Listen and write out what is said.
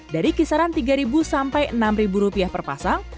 dari kisaran tiga sampai enam rupiah per pasang